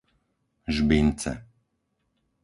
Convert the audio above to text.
Žbince